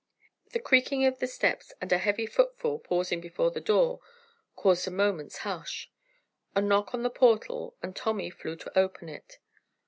The creaking of the steps and a heavy footfall pausing before the door, caused a moment's hush. A knock on the portal and Tommy flew to open it.